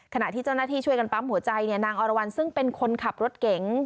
ขณะที่เจ้าหน้าที่ช่วยกันปั๊มหัวใจนางอรวรรณซึ่งเป็นคนขับรถเก๋ง